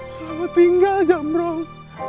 selamat tinggal jamrong